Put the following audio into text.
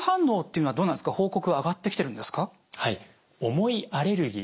重いアレルギー